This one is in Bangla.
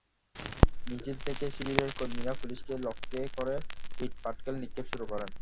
মিছিল থেকে শিবিরের কর্মীরা পুলিশকে লক্ষ্য করে ইটপাটকেল নিক্ষেপ শুরু করেন।